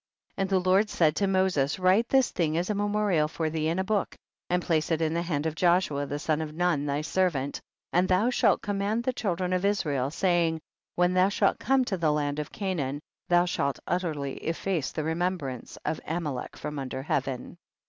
56. And the Lord said to Moses, write this thing as a memorial for thee in a book, and place it in the hand of Joshua the son of Nun thy servant, and thou shalt command the children of Israel, saying, when thou shalt come to the land of Canaan, thou shalt utterly efface the remembrance of Amalek from under heaven.